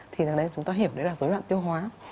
thì từ đấy chúng ta hiểu đấy là dối loạn tiêu hóa